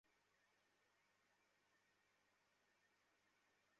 পরের ম্যাচে সেই চেলসিই শীর্ষে থাকা লিভারপুলকে হারিয়ে আবার ঘুরে দাঁড়িয়েছে।